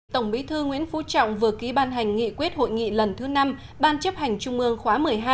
tổng bí thư nguyễn phú trọng vừa ký ban hành nghị quyết hội nghị lần thứ năm ban chấp hành trung ương khóa một mươi hai